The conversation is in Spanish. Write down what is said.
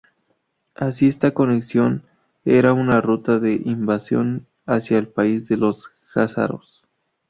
Así esta conexión era una ruta de invasión hacia el país de los jázaros.